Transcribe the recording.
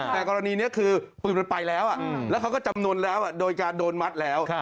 แต่กรณีนี้คือปืนมันไปแล้วแล้วเขาก็จำนวนแล้วโดยการโดนมัดแล้ว